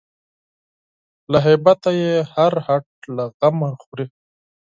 له هیبته یې هر هډ له غمه خوري